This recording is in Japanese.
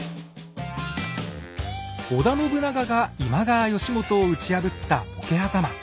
織田信長が今川義元を打ち破った